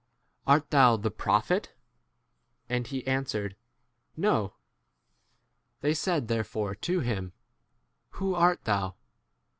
Art thou ' the prophet ? 22 And he answered, No. They said therefore to him, Who art thou